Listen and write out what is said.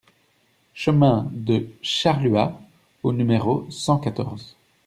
Chemin de Charluat au numéro cent quatorze